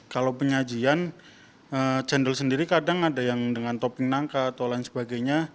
kalau penyajian cendol sendiri kadang ada yang dengan topping nangka atau lain sebagainya